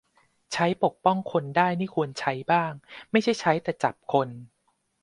ใช้ปกป้องคนได้นี่ควรใช้บ้าง ไม่ใช่ใช้แต่จับคน